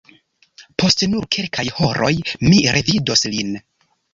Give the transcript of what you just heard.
Post nur kelkaj horoj mi revidos lin!